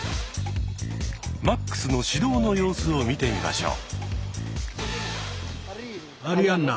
マックスの指導の様子を見てみましょう。